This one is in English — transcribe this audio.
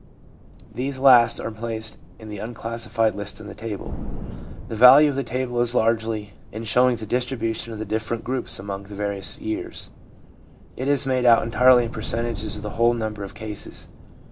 These last are placed in the unclassified list in the table. The ADULT LIFE— PERIOD OF RECONSTRUCTION 283 value of the table is largely in showing the distribution of the different groups among the various years. It is made out entirely in percentages of the whole number of cases.